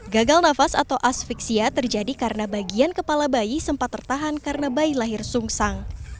gagal nafas atau asfiksia terjadi karena bagian kepala bayi sempat tertahan karena bayi lahir sungsang